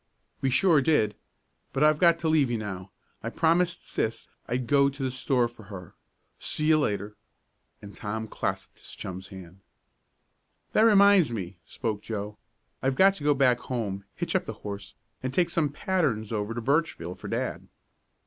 "We sure did. But I've got to leave you now. I promised Sis I'd go to the store for her. See you later," and Tom clasped his chum's hand. "That reminds me," spoke Joe. "I've got to go back home, hitch up the horse, and take some patterns over to Birchville for dad."